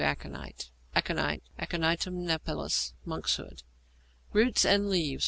ACONITE =Aconite= (Aconitum Napellus, monkshood). Root and leaves.